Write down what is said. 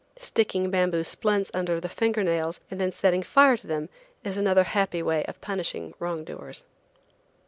Sticking bamboo splints under the finger nails and then setting fire to them is another happy way of punishing wrongdoers.